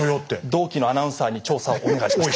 同期のアナウンサーに調査をお願いしました。